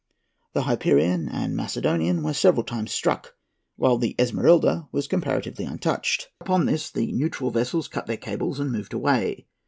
The Hyperion and Macedonian were several times struck, while the Esmeralda was comparatively untouched. Upon this the neutral vessels cut their cables and moved away.